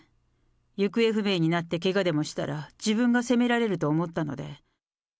行方不明になってけがでもしたら、自分が責められると思ったので。